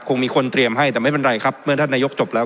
คงมีคนเตรียมให้แต่ไม่เป็นไรครับเมื่อท่านนายกจบแล้ว